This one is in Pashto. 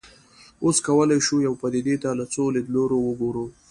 اوس کولای شو یوې پدیدې ته له څو لیدلوریو وګورو.